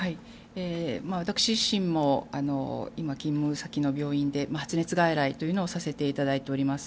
私自身も今勤務先の病院で発熱外来というのをさせていただいております。